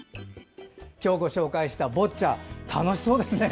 今日ご紹介したボッチャ楽しそうですね。